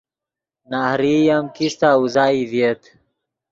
نہریئی ام کیستہ اوزائی ڤییت